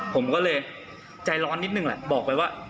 ผมก็เลยใจร้อนนิดนึงแหละบอกไปว่า